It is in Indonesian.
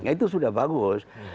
itu sudah bagus